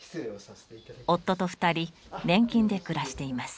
夫と２人年金で暮らしています。